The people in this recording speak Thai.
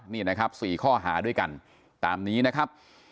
นี่นะครับ๔ข้อหาด้วยกันตามนี้นะครับ